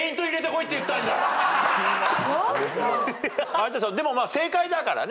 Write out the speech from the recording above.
有田さんでも正解だからね。